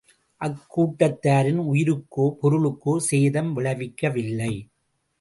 அக்கூட்டத்தாரின் உயிருக்கோ, பொருளுக்கோ சேதம் விளைவிக்கவில்லை.